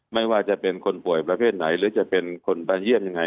ไม่ว่าจะเป็นคนป่วยประเภทไหนหรือจะเป็นคนมาเยี่ยมยังไง